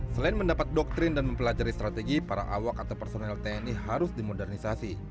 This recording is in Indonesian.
selain mendapat doktrin dan mempelajari strategi para awak atau personel tni harus dimodernisasi